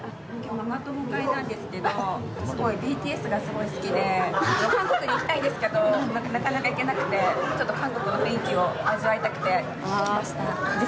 ママ友会なんですけどすごいＢＴＳが好きで韓国に行きたいんですけどなかなか行けなくてちょっと、韓国の雰囲気を味わいたくて来ました。